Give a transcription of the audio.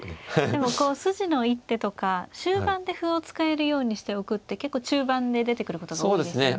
でもこう筋の一手とか終盤で歩を使えるようにしておくって結構中盤で出てくることが多いですよね。